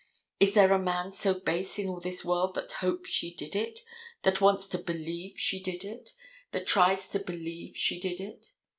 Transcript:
Is there a man so base in all this world that hopes she did it, that wants to believe she did it, that tries to believe she did it?